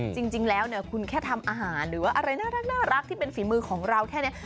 จริงแล้วเนี่ยคุณแค่ทำอาหารหรือว่าอะไรน่ารักที่เป็นฝีมือของเราแค่นี้